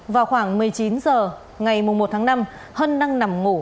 vào khoảng một mươi chín h ngày một tháng năm hân đang nằm ngủ